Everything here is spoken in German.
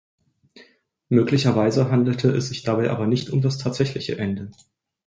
Möglicherweise handelte es sich dabei aber nicht um das tatsächliche Ende.